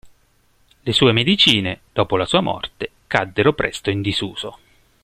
Le sue medicine, dopo la sua morte, caddero presto in disuso.